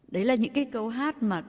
đấy là những cái câu hát mà